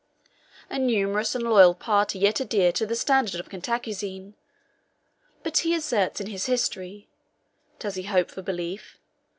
A numerous and loyal party yet adhered to the standard of Cantacuzene: but he asserts in his history (does he hope for belief?)